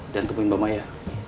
dan temui mbak maya